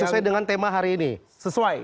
sesuai dengan tema hari ini sesuai